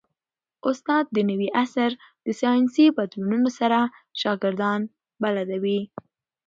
استاد د نوي عصر د ساینسي بدلونونو سره شاګردان بلدوي.